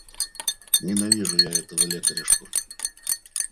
Ненавижу я этого лекаришку.